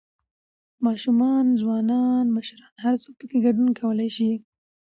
، ماشومان، ځوانان، مشران هر څوک پکې ګډون کولى شي